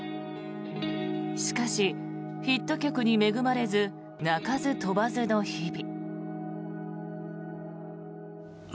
しかし、ヒット曲に恵まれず鳴かず飛ばずの日々。